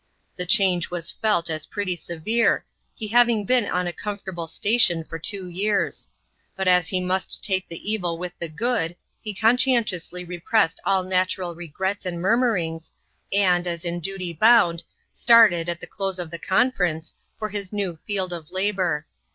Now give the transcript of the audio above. The change was felt as pretty severe, he having been on a comfortable station for two years; but as he must take the evil with the good, he conscientiously repressed all natural regrets and murmurings, and, as in duty bound, started, at the close of the conference, for his new field of labour.